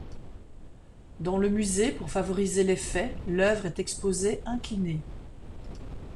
Dans le musée, pour favoriser l'effet, l'œuvre est exposée inclinée.